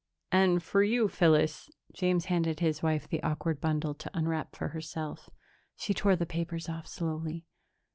"And for you, Phyllis...." James handed his wife the awkward bundle to unwrap for herself. She tore the papers off slowly.